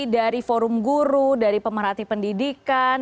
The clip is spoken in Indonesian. dari forum guru dari pemerhati pendidikan